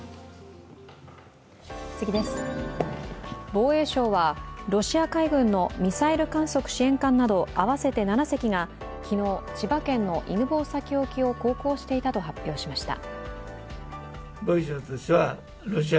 防衛省はロシア海軍のミサイル観測支援艦など合わせて７隻が昨日、千葉県の犬吠埼沖を航行していたと発表しました。